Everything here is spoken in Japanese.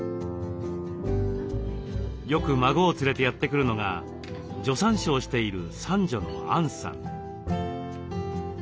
よく孫を連れてやって来るのが助産師をしている三女の安海さん。